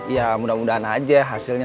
ya mudah mudahan aja hasilnya